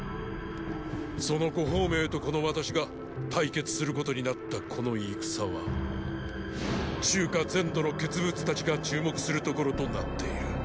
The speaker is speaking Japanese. その呉鳳明とこの私が対決することになったこの戦はーー中華全土の傑物たちが注目するところとなっている。